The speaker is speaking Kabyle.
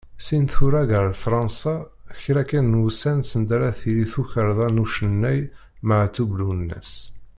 Sin tunag ɣer Fransa, kra kan n wussan send ara d-tili tukerḍa n ucennay Maɛtub Lwennes.